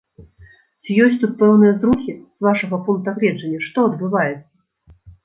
Ці ёсць тут пэўныя зрухі, з вашага пункта гледжання, што адбываецца?